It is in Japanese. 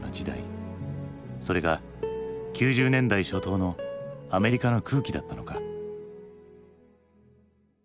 それが９０年代初頭のアメリカの空気だったのか。